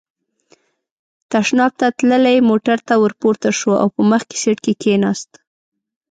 تشناب ته تللی، موټر ته ور پورته شو او په مخکې سېټ کې کېناست.